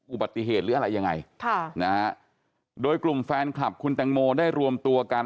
อุบัติเหตุหรืออะไรยังไงค่ะนะฮะโดยกลุ่มแฟนคลับคุณแตงโมได้รวมตัวกัน